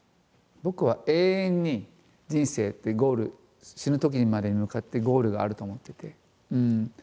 僕は永遠に人生ってゴール死ぬときにまで向かってゴールがあると思ってて。